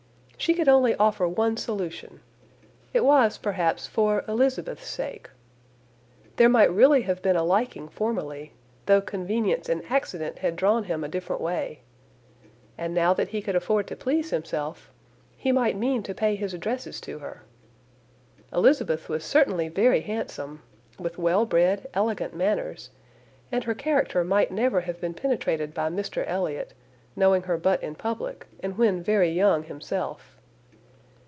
She could only offer one solution; it was, perhaps, for Elizabeth's sake. There might really have been a liking formerly, though convenience and accident had drawn him a different way; and now that he could afford to please himself, he might mean to pay his addresses to her. Elizabeth was certainly very handsome, with well bred, elegant manners, and her character might never have been penetrated by Mr Elliot, knowing her but in public, and when very young himself.